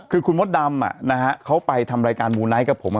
คือคุณมดดำเขาไปทำรายการมูไนท์กับผม